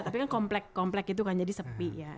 tapi kan komplek komplek gitu kan jadi sepi ya